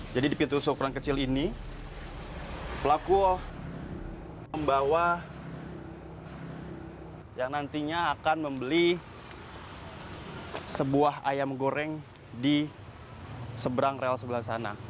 jadi di pintu seukuran kecil ini pelaku membawa yang nantinya akan membeli sebuah ayam goreng di seberang rel sebelah sana